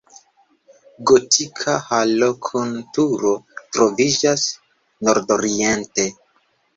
Gotika halo kun turo troviĝas nordoriente.